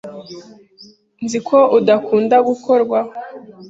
Nzi ko udakunda gukorwaho.